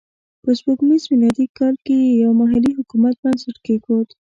په سپوږمیز میلادي کال کې یې یو محلي حکومت بنسټ کېښود.